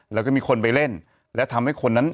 แล้วก็มีคนไปเล่นและทำให้คนนั้น